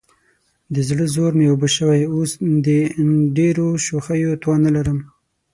د زړه زور مې اوبه شوی، اوس دې د ډېرو شوخیو توان نه لرم.